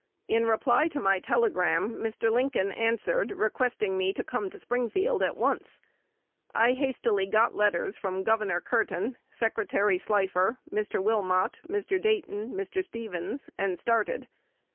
"In reply to my telegram, Mr. Lincoln answered, requesting me to come to Springfield at once. I hastily got letters from Gov. Curtin, Secretary Slifer, Mr. Wilmot, Mr. Dayton, Mr. Stevens, and started.